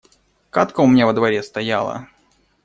Кадка у меня во дворе стояла